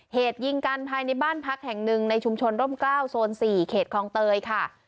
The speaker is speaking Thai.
เหตุยิงกันภายในบ้านพักแห่งหนึ่งในชุมชนร่มกล้าวโซน๔เขตคลองเตยค่ะ